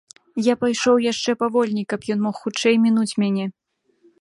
Я пайшоў яшчэ павольней, каб ён мог хутчэй мінуць мяне.